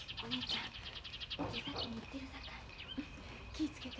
気ぃ付けて。